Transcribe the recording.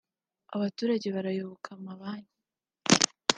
abaturage barayoboka amabanki